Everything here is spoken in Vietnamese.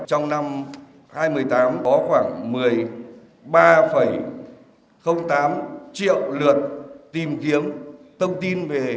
trong năm hai nghìn một mươi tám có khoảng một mươi ba tám triệu lượt tìm kiếm thông tin về